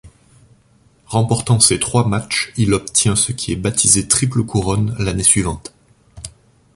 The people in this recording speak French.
Remportant ses trois matches, il obtient ce qui est baptisé Triple couronne l'année suivante.